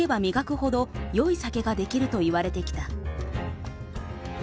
ほどよい酒が出来るといわれてきた。